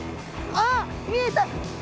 あっ見えた。